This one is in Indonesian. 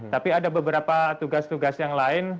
tapi ada beberapa tugas tugas yang lain